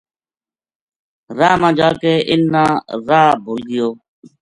راہ ما جا کے اِنھ نا راہ بھُل گیو